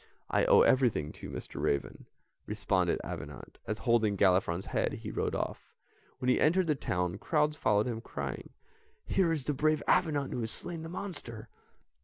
"I owe everything to you, Mr. Raven," responded Avenant, as, holding Galifron's head, he rode off. When he entered the town, crowds followed him crying, "Here is the brave Avenant who has slain the monster."